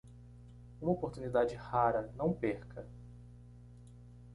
Uma oportunidade rara, não perca!